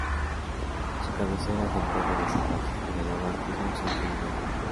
Su cabecera es el pueblo de San Francisco del Oro, antiguo centro minero.